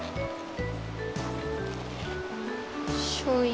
しょうゆ。